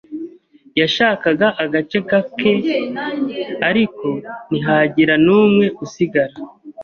Yashakaga agace kake, ariko ntihagira n'umwe usigara.